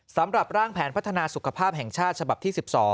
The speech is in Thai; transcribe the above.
สำหรับร่างแผนพัฒนาสุขภาพแห่งชาติฉบับที่๑๒